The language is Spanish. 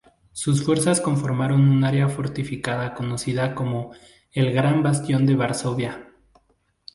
Sus fuerzas conformaron un área fortificada conocida como el "gran bastión de Varsovia".